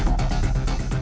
tidak adalah vc